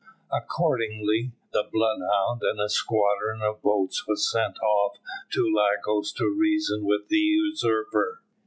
"Accordingly, the Bloodhound and a squadron of boats was sent off to Lagos to reason with the usurper.